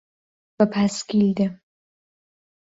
بە پایسکل دێم.